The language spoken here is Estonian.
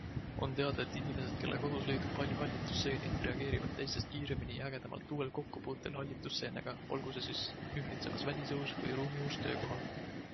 On teada, et inimesed, kelle kodus leidub palju hallitusseeni, reageerivad teistest kiiremini ja ägedamalt uuel kokkupuutel hallituseentega, olgu see siis ümbritsevas välisõhus või ruumiõhus töökohal.